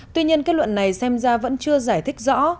tuy nhiên kết luận này xem ra vẫn chưa giải thích rõ